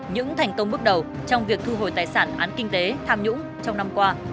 những thành công bước đầu trong việc thu hồi tài sản án kinh tế tham nhũng trong năm qua